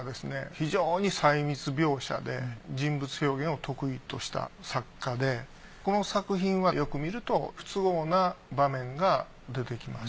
非常に細密描写で人物表現を得意とした作家でこの作品はよく見ると不都合な場面が出てきます。